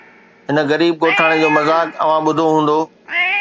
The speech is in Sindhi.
هن غريب ڳوٺاڻي جو مذاق اوهان ٻڌو هوندو